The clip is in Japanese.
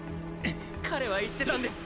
彼は言ってたんです。